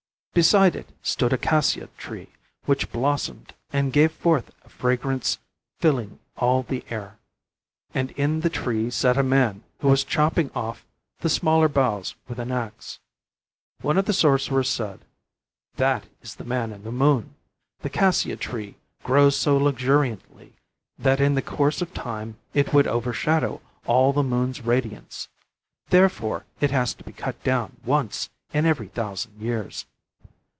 Beside it stood a cassia tree which blossomed and gave forth a fragrance filling all the air. And in the tree sat a man who was chopping off the smaller boughs with an ax. One of the sorcerers said: "That is the man in the moon. The cassia tree grows so luxuriantly that in the course of time it would overshadow all the moon's radiance. Therefore it has to be cut down once in every thousand years."